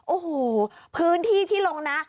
โอ้โหพื้นที่ที่ลงนะ